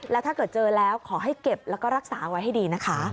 แล้วถ้าเกิดเจอแล้วขอให้เก็บแล้วก็รักษาไว้ให้ดีนะคะ